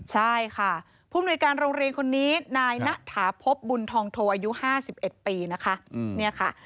ใช่ค่ะผู้มนุยการโรงเรียนคนนี้นายณฐาพบบุญทองโทอายุ๕๑ปีนะคะ